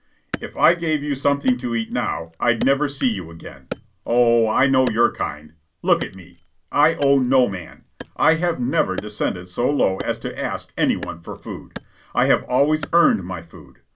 "If I gave you something to eat now, I'd never see you again. Oh, I know your kind. Look at me. I owe no man. I have never descended so low as to ask any one for food. I have always earned my food.